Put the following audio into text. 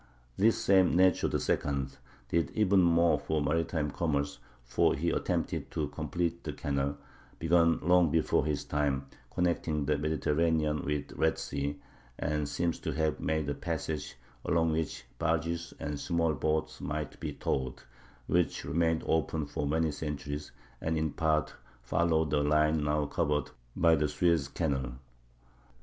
This same Necho II did even more for maritime commerce, for he attempted to complete the canal, begun long before his time, connecting the Mediterranean with the Red Sea, and seems to have made a passage along which barges and small boats might be towed, which remained open for many centuries, and in part followed the line now covered by the Suez Canal.